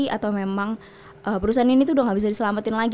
atau memang perusahaan ini tuh udah gak bisa diselamatin lagi